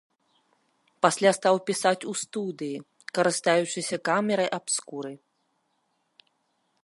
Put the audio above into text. Пасля стаў пісаць у студыі, карыстаючыся камерай-абскурай.